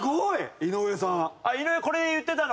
井上これを言ってたの？